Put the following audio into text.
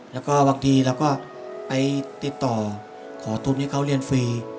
แล้วก็บางทีเราก็ไปติดต่อขอทุนให้เขาเรียนฟรี